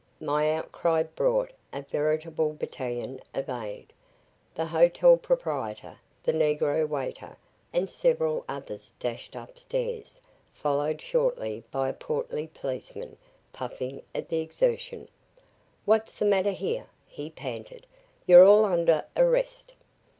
........ My outcry brought a veritable battalion of aid. The hotel proprietor, the negro waiter, and several others dashed upstairs, followed shortly by a portly policeman, puffing at the exertion. "What's the matter, here?" he panted. "Ye're all under arrest!"